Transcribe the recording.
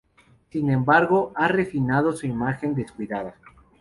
Sin embargo, ha refinado su imagen descuidada.